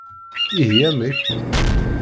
Ihi amek?